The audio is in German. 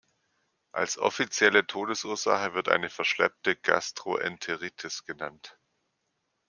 Als offizielle Todesursache wird eine verschleppte Gastroenteritis genannt.